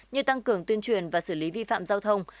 như tăng cường tuyên truyền và xử lý vi phạm giao thông